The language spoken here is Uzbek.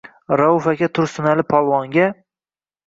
Rauf aka Tursunali polvonga: